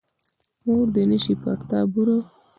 مور دې نه شي پر تا بورې.